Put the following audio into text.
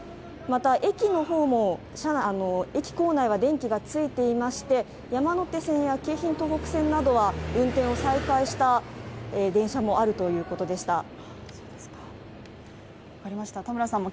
また、駅の構内は電気がついていまして、山手線や京浜東北線などは運転を再開した電車もあるということでした。